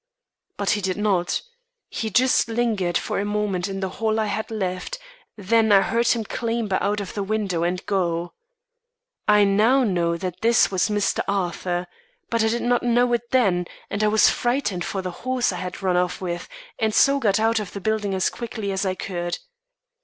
But he did not; he just lingered for a moment in the hall I had left, then I heard him clamber out of the window and go. I now know that this was Mr. Arthur. But I did not know it then, and I was frightened for the horse I had run off with, and so got out of the building as quickly as I could.